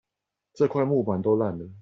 這塊木板都爛了